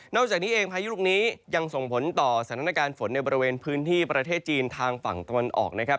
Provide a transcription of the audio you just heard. จากนี้เองพายุลูกนี้ยังส่งผลต่อสถานการณ์ฝนในบริเวณพื้นที่ประเทศจีนทางฝั่งตะวันออกนะครับ